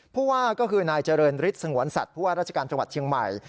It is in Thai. ผู้ว่าก็คือนายเจริญฤทธิสงวนสัตว์ผู้ว่าราชการจังหวัดเชียงใหม่